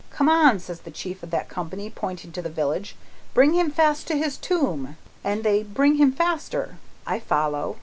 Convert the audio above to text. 'Come on!' says the chief of that company, pointing to the village, 'bring him fast to his tomb!' and they bring him faster. I follow.